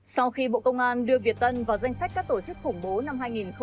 sau khi bộ công an đưa việt tân vào danh sách các tổ chức khủng bố năm hai nghìn một mươi ba